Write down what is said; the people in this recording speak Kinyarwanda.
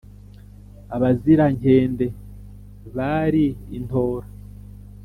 abazirankende bari i ntora